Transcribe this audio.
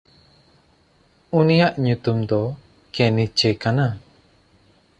ᱩᱱᱤᱭᱟᱜ ᱧᱩᱛᱩᱢ ᱫᱚ ᱠᱮᱱᱭᱪᱮ ᱠᱟᱱᱟ᱾